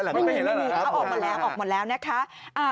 ออกหมดแล้วออกหมดแล้วนะคะ